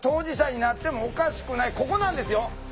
ここなんですよ。